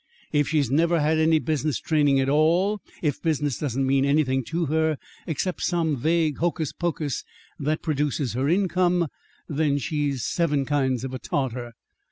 If she's never had any business training at all, if business doesn't mean anything to her except some vague hocus pocus that produces her income, then she's seven kinds of a Tartar.